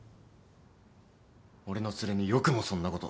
俺のツレによくもそんなこと。